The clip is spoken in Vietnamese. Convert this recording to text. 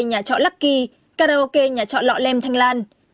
nhà trọ lucky karaoke nhà chọn lọ lem thanh lan